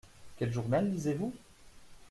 Quel journal lisez-vous ?